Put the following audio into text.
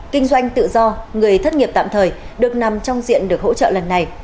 kinh doanh tự do người thất nghiệp tạm thời được nằm trong diện được hỗ trợ lần này